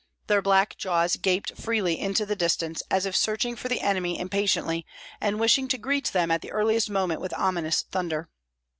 Their black jaws gaped freely into the distance, as if searching for the enemy impatiently and wishing to greet them at the earliest moment with ominous thunder.